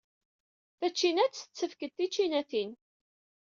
Tacinat tettakf-d ticinatin.